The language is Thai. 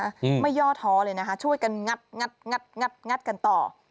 อืมไม่ย่อท้อเลยนะคะช่วยกันงัดงัดงัดงัดงัดกันต่อ